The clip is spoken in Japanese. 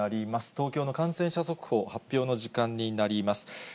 東京の感染者速報、発表の時間になります。